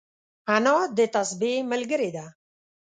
انا د تسبيح ملګرې ده